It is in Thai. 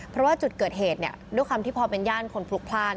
เพราะว่าจุดเกิดเหตุด้วยความที่พอเป็นย่านคนพลุกพลาด